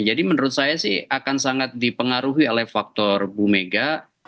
jadi menurut saya sih akan sangat dipengaruhi oleh faktor bumega